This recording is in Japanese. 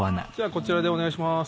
こちらでお願いしまーす。